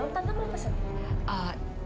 tante mau pesen